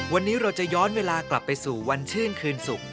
วันนี้เราจะย้อนเวลากลับไปสู่วันชื่นคืนศุกร์